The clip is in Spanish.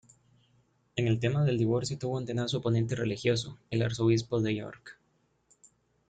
En el tema del divorcio tuvo un tenaz oponente religioso, el Arzobispo de York.